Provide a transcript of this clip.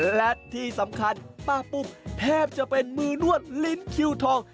และที่สำคัญป้าปุ๊บแทบจะเป็นมือนวดลิ้นคิวทอง